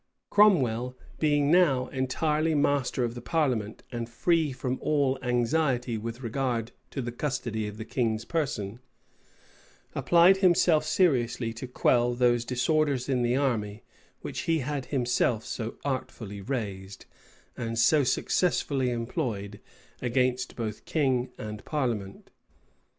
Cromwell, being now entirely master of the parliament and free from all anxiety with regard to the custody of the king's person, applied himself seriously to quell those disorders in the army, which he himself had so artfully raised, and so successfully employed, against both king and parliament.